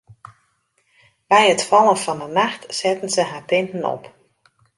By it fallen fan 'e nacht setten se har tinten op.